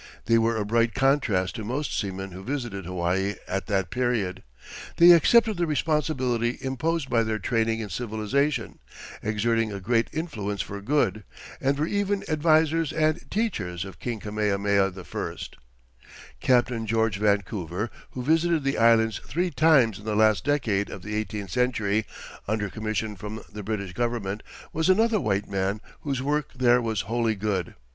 They were a bright contrast to most seamen who visited Hawaii at that period. They accepted the responsibility imposed by their training in civilization, exerting a great influence for good, and were even advisers and teachers of King Kamehameha I. Captain George Vancouver, who visited the Islands three times in the last decade of the eighteenth century under commission from the British Government, was another white man whose work there was wholly good.